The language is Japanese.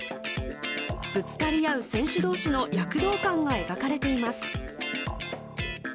ぶつかり合う選手同士の躍動感が描かれています。